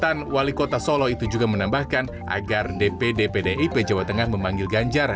dan wali kota solo itu juga menambahkan agar dpp pdip jawa tengah memanggil ganjar